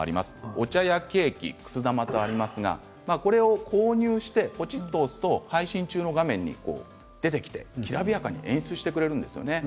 お茶やケーキ、くす玉とありますがこれを購入してポチっと押すと配信中の画面に出てきてきらびやかに演出してくれるんですね。